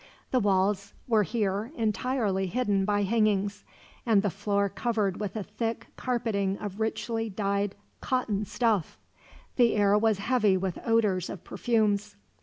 The walls were here entirely hidden by hangings, and the floor covered with a thick carpeting of richly dyed cotton stuff. The air was heavy with odors of perfumes.